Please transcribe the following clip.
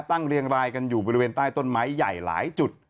เรียงรายกันอยู่บริเวณใต้ต้นไม้ใหญ่หลายจุด